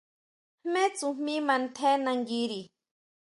¿Jmé tsujmí mantjé nanguiri?